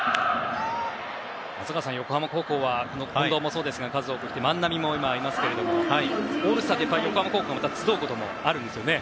松坂さん、横浜高校は近藤もそうですが数多く、万波もいますけどもオールスターで横浜高校が集うこともあるんですよね。